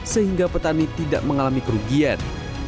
sehingga petani tidak mengalami kerugian